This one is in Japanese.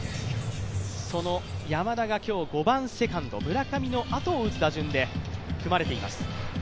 その山田が今日、５番セカンド村上のあとを打つ打陣で組まれています。